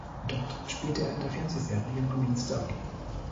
Dort spielte er in der Fernsehserie "Green Stone".